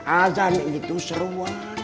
azan itu seruan